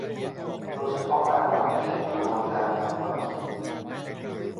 โดยเฉพาะการปรับเปลี่ยนกระบวนการทางความคิด